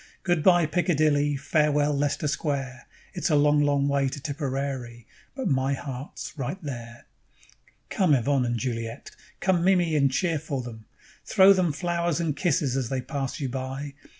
Good bye, Piccadilly, Farewell, Lester Square: It's a long, long way to Tipperary, But my heart's right there._ "Come, Yvonne and Juliette! Come, Mimi, and cheer for them! Throw them flowers and kisses as they pass you by.